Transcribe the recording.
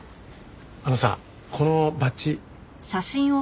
あのさこのバッジうん。